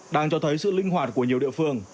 đang cho thấy sự linh hoạt của nhiều địa phương